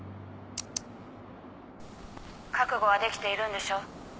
「覚悟はできているんでしょ？」